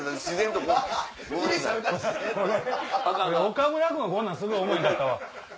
岡村君がこんなんする思えへんかったわ。